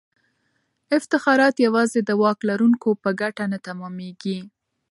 افتخارات یوازې د واک لرونکو په ګټه نه تمامیږي.